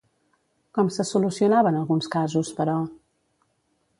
Com se solucionaven alguns casos, però?